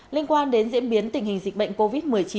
liên quan đến diễn biến tình hình dịch bệnh covid một mươi chín